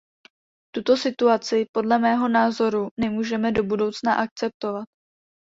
Tuto situaci podle mého názoru nemůžeme do budoucna akceptovat.